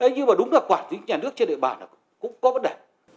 nhưng mà đúng là quản lý nhà nước trên địa bàn cũng có vấn đề